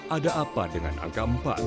ada apa dengan angka empat